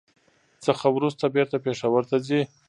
څخه ورورسته بېرته پېښور ته ځي.